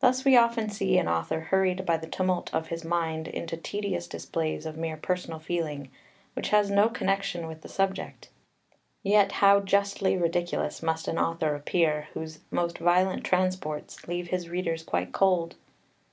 Thus we often see an author hurried by the tumult of his mind into tedious displays of mere personal feeling which has no connection with the subject. Yet how justly ridiculous must an author appear, whose most violent transports leave his readers quite cold!